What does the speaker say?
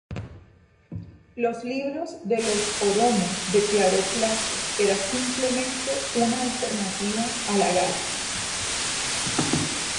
Los libros de los Oromo declaró plazo era simplemente una alternativa a la Gala.